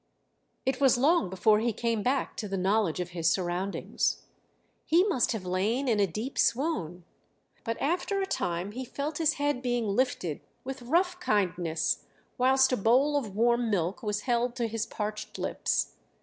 It was long before he came back to the knowledge of his surroundings. He must have lain in a deep swoon; but after a time he felt his head being lifted with rough kindness, whilst a bowl of warm milk was held to his parched lips.